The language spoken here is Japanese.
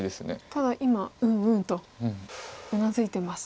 ただ今「うんうん」とうなずいてます